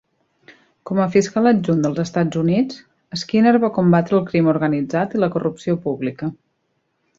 Com a fiscal adjunt dels Estats Units, Skinner va combatre el crim organitzat i la corrupció pública.